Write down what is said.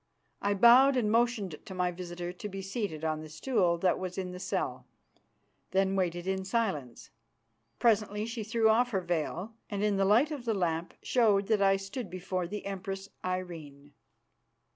I bowed and motioned to my visitor to be seated on the stool that was in the cell, then waited in silence. Presently she threw off her veil, and in the light of the lamp showed that I stood before the Empress Irene.